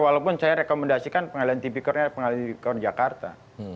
walaupun saya rekomendasikan pengadilan tipikornya pengadilan tipikor jakarta